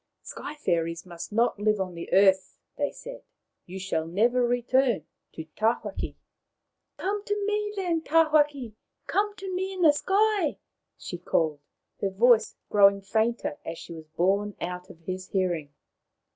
" Sky fairies must not live on the earth," they said. " You shall never return to Tawhaki." " Come to me, then, Tawhaki ! Come to me in the sky !" she called, her voice growing fainter as she was borne out of his hearing.